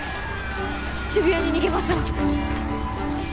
渋谷に逃げましょう。